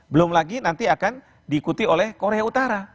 belum lagi nanti akan diikuti oleh korea utara